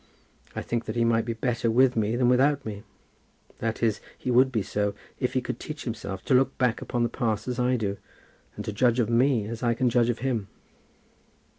I think that he might be better with me than without me. That is, he would be so, if he could teach himself to look back upon the past as I can do, and to judge of me as I can judge of him."